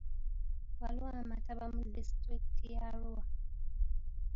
Waliyo amataba mu disitulikiti ya Arua.